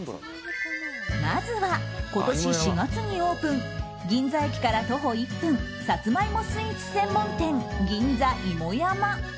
まずは今年４月にオープン銀座駅から徒歩１分さつま芋スイーツ専門店銀座芋山。